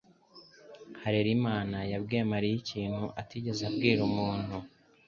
Harerimana yabwiye Mariya ikintu atigeze abwira umuntu